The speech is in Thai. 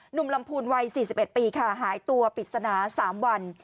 หนุ่มลำพูนวัย๔๑ปีค่ะหายตัวปริศนา๓วัน